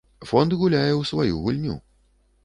Фонд гуляе у сваю гульню.